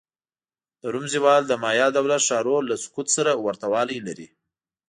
د روم زوال د مایا دولت ښارونو له سقوط سره ورته والی لري.